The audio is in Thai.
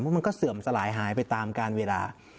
เพราะมันก็เสื่อมสลายหายไปตามการเวลา